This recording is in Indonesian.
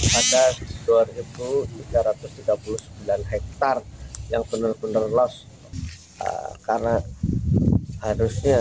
mencapai dua dua ratus tiga puluh sembilan hektare gagal panen